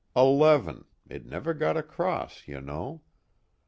Eleven it never got across, you know?